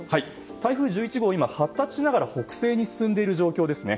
台風１１号、今、発達しながら北西に進んでいる状況です。